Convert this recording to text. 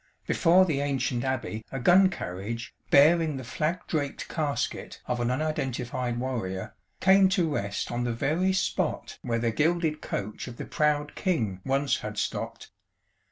Before the ancient Abbey a gun carriage, bearing the flag draped casket of an unidentified warrior, came to rest on the very spot where the gilded coach of the proud King once had stopped.